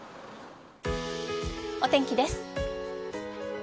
お天気です。